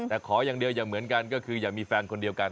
แต่ขออย่างเดียวอย่าเหมือนกันก็คืออย่ามีแฟนคนเดียวกัน